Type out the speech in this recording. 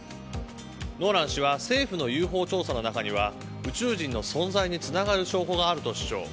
ノーラン氏は政府のＵＦＯ調査の中には宇宙人の存在につながる証拠があると主張。